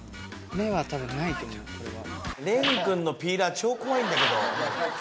芽はたぶんないと思うこれは。